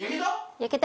焼けた！？